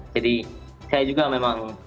jadi saya juga memang